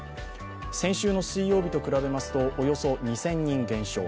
先週の水曜日と比べますとおよそ２０００人減少。